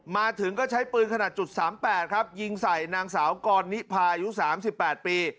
มาถึงก็ใช้ปืนขนาดจุดสามแปดครับยิงใส่นางสาวกรณิพายุสามสิบแปดปี